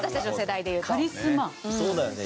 そうだよね。